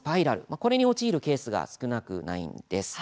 これに陥るケースが少なくないんです。